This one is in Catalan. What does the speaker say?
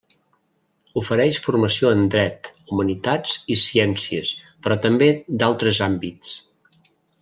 Ofereix formació en Dret, Humanitats i Ciències, però també d'altres àmbits.